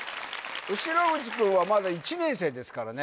後口君はまだ１年生ですからね